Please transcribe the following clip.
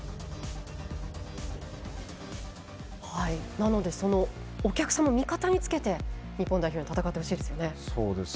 なので、そのお客さんを味方につけて日本代表に戦ってほしいですよね。